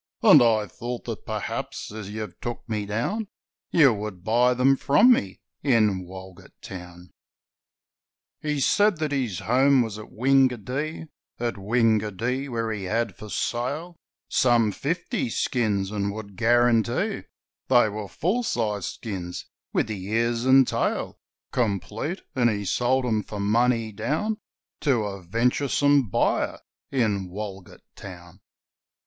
'And I thought that perhaps, as you've took me down, You would buy them from me, in Walgett Town!' He said that his home was at Wingadee, At Wingadee where he had for sale Some fifty skins and would guarantee They were full sized skins, with the ears and tail Complete, and he sold them for money down To a venturesome buyer in Walgett Town.